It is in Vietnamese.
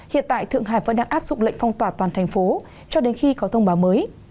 hiện tại thượng hải vẫn đang áp dụng lệnh phong tỏa toàn thành phố cho đến khi có thông báo mới